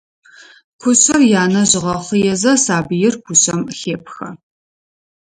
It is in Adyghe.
Кушъэр янэжъ ыгъэхъыезэ, сабыир кушъэм хепхэ.